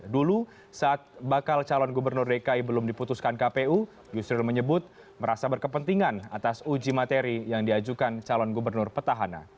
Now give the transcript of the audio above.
dulu saat bakal calon gubernur dki belum diputuskan kpu yusril menyebut merasa berkepentingan atas uji materi yang diajukan calon gubernur petahana